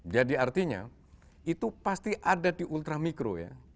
jadi artinya itu pasti ada di ultra mikro ya